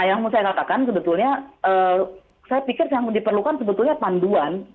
dan saya katakan sebetulnya saya pikir yang diperlukan sebetulnya panduan